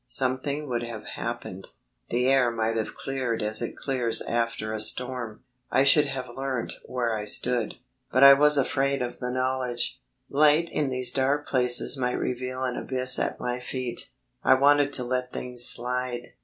Something would have happened; the air might have cleared as it clears after a storm; I should have learnt where I stood. But I was afraid of the knowledge. Light in these dark places might reveal an abyss at my feet. I wanted to let things slide.